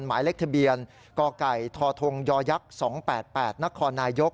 หมายเลขทะเบียนกธย๒๘๘นน